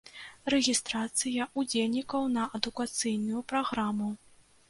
Рэгістрацыя ўдзельнікаў на адукацыйную праграму.